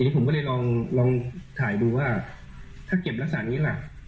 ผมก็เลยลองถ่ายดูว่าถ้าเก็บลักษณะนี้ล่ะ